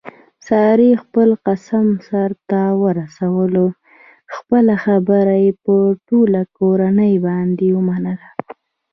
سارې خپل قسم سرته ورسولو خپله خبره یې په ټوله کورنۍ باندې ومنله.